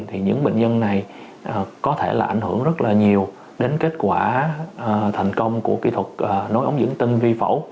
thì những bệnh nhân này có thể là ảnh hưởng rất là nhiều đến kết quả thành công của kỹ thuật nối ống dẫn tinh vi phẫu